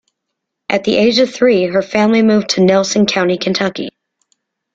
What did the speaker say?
At the age of three, her family moved to Nelson County, Kentucky.